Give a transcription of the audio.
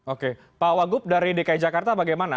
oke pak wagub dari dki jakarta bagaimana